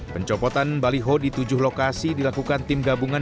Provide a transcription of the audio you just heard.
pencopotan baliho di tujuh lokasi dilakukan tim gabungan